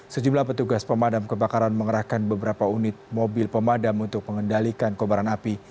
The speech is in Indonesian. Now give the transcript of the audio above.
sejumlah petugas pemadam kebakaran mengerahkan beberapa unit mobil pemadam untuk mengendalikan kobaran api